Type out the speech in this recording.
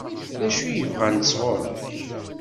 D acu i bɣant sɣur-k?